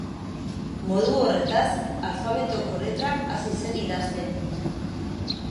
Modu horretaz alfabetoko letrak hasi zen idazten.